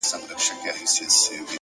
بریا له چمتووالي سره مینه لري.!